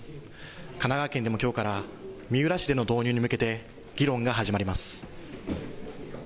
神奈川県でもきょうから三浦市での導入に向けて議論が始まります。